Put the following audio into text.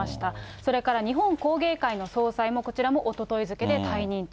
それから日本工芸会の総裁もこちらもおととい付けで退任と。